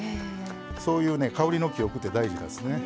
そういうね、香りの記憶って大事なんですね。